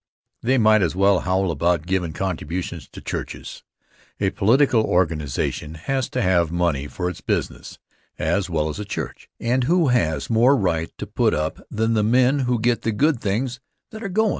They might as well howl about givin' contributions to churches. A political organization has to have money for its business as well as a church, and who has more right to put up than the men who get the good things that are goin'?